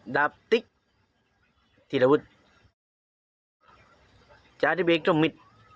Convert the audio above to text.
ดาบติ๊กที่ระวุธจารย์ที่เป็นอีกทรงมิตร